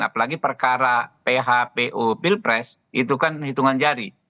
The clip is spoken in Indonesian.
apalagi perkara phpu pilpres itu kan hitungan jari